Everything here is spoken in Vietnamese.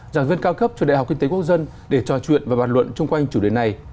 giảng viên cao cấp trường đại học kinh tế quốc dân để trò chuyện và bàn luận chung quanh chủ đề này